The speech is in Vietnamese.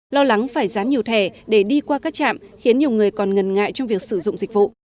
lo lắng phải dán nhiều thẻ để đi qua các trạm khiến nhiều người còn ngần ngại trong việc sử dụng dịch vụ